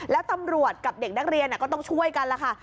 แล้วตำรวจกับเด็กนักเรียนก็ต้องช่วยกันแล้วค่ะ